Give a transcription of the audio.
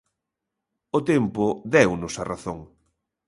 O tempo deunos a razón.